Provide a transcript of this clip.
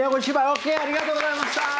オッケーありがとうございました！